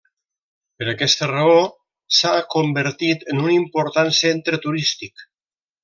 Per aquesta raó, s'ha convertit en un important centre turístic.